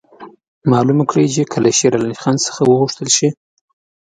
معلومه کړي چې که له شېر علي څخه وغوښتل شي.